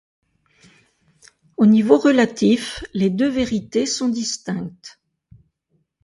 Au niveau relatif, les deux vérités sont distinctes.